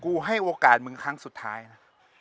ให้โอกาสมึงครั้งสุดท้ายนะ